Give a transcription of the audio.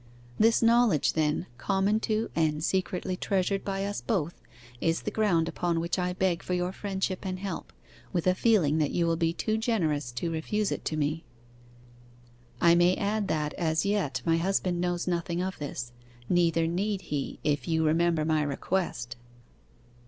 'This knowledge then, common to, and secretly treasured by us both, is the ground upon which I beg for your friendship and help, with a feeling that you will be too generous to refuse it to me. 'I may add that, as yet, my husband knows nothing of this, neither need he if you remember my request.